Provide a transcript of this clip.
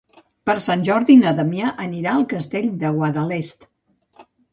Per Sant Jordi na Damià anirà al Castell de Guadalest.